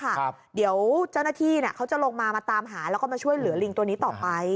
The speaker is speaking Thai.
ครับเดี๋ยวเจ้าหน้าที่เนี่ยเขาจะลงมามาตามหาแล้วก็มาช่วยเหลือลิงตัวนี้ต่อไป